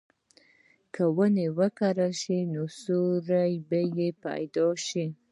که ونې وکرل شي، نو سیوری به پیدا شي.